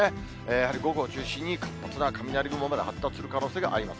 やはり午後を中心に、活発な雷雲まで発達する可能性があります。